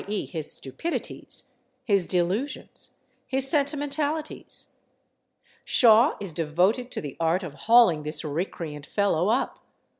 e._, his stupidities, his delusions, his sentimentalities. Shaw is devoted to the art of hauling this recreant fellow up.